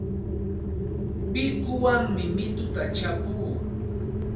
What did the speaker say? Pikuwanmi mituta chapuu.